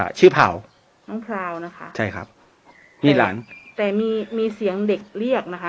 ชื่อเผาน้องพราวนะคะใช่ครับมีหลานแต่มีมีเสียงเด็กเรียกนะคะ